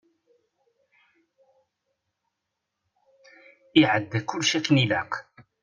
Iɛedda kullec akken ilaq.